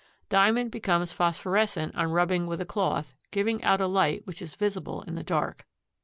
Diamond becomes phosphorescent on rubbing with a cloth, giving out a light which is visible in the dark.